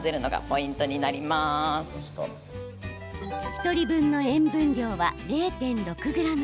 １人分の塩分量は０．６ｇ。